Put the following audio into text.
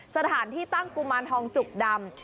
สถานที่ตั้งกุมารทองจุกดำ